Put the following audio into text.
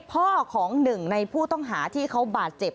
พ่อของหนึ่งในผู้ต้องหาที่เขาบาดเจ็บ